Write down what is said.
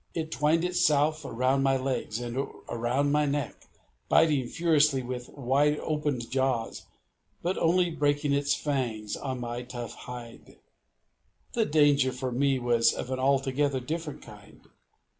It twined itself around my legs, and around my neck, biting furiously with wide opened jaws, but only breaking its fangs on my tough hide. The danger for me was of an altogether different kind.